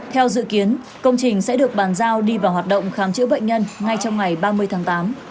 theo dự kiến công trình sẽ được bàn giao đi vào hoạt động khám chữa bệnh nhân ngay trong ngày ba mươi tháng tám